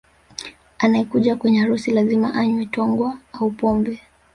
Anayekuja kwenye harusi lazima anywe Togwa au Pombe